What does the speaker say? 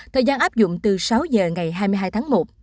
thời gian áp dụng từ sáu giờ ngày hai mươi hai tháng một